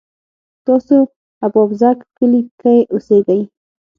تاسو اببازک کلي کی اوسیږئ؟